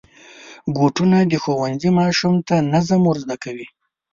بوټونه د ښوونځي ماشوم ته نظم ور زده کوي.